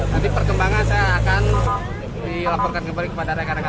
nanti perkembangan saya akan dilaporkan kembali kepada rekan rekan